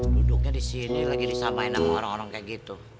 duduknya di sini lagi disamain sama orang orang kayak gitu